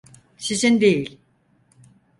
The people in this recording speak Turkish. Sizin değil.